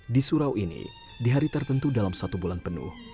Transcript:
di surau ini di hari tertentu dalam satu bulan penuh